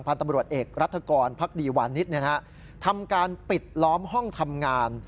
ตำรวจเอกรัฐกรพักดีวานิสทำการปิดล้อมห้องทำงาน